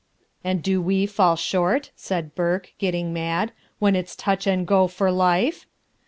"And do we fall short," said Burke, getting mad, "When it's touch and go for life?"